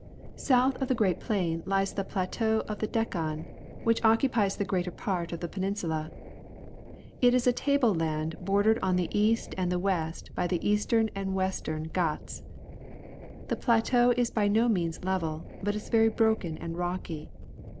South of the great plain lies the Plateau o f_the Decca n^ which occupies the greater part of the peninsula. It is a table land bordered on the east and the west by the Eastern and Western Ghats, The plateau is by no means level, but is very broken and rocky.